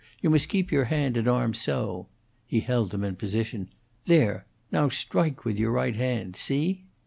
You must keep your hand and arm so." He held them in position. "There! Now strike with your right hand. See?"